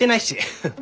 フッ。